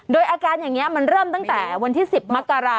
โดยอาการอย่างนี้มันเริ่มตั้งแต่วันที่๑๐มกรา